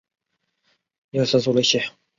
狭叶剪秋罗是石竹科剪秋罗属的植物。